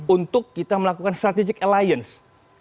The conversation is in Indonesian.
untuk kita melakukan strategic aliance